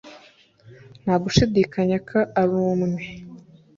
nta gushidikanya ko ari umwere